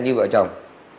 như vợ chồng